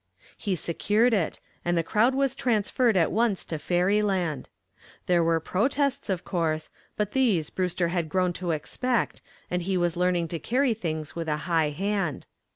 He secured it, and the crowd was transferred at once to fairyland. There were protests, of course, but these Brewster had grown to expect and he was learning to carry things with a high hand.